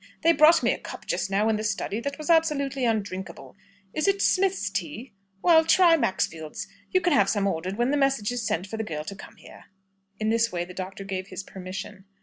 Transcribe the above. They brought me a cup just now in the study that was absolutely undrinkable. Is it Smith's tea? Well, try Maxfield's. You can have some ordered when the message is sent for the girl to come here." In this way the doctor gave his permission.